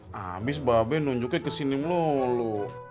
habis babay nunjuknya ke sini melulu